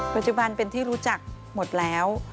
ปัจจุบันเป็นที่รู้จักหมดแล้ว